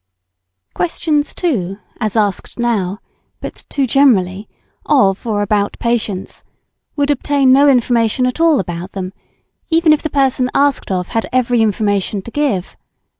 ] Questions, too, as asked now (but too generally) of or about patients, would obtain no information at all about them, even if the person asked of had every information to give.